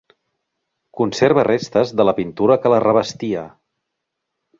Conserva restes de la pintura que la revestia.